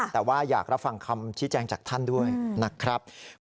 แต่ว่าอยากรับฟังคำชี้แจงจากท่านด้วยนะครับ